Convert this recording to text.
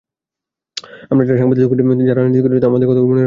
আমরা যারা সাংবাদিকতা করি, যারা রাজনীতি করি, আমাদের কথাগুলো মনে রাখতে হবে।